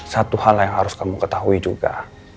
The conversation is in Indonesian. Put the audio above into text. satu hal yang harus kamu ketahui juga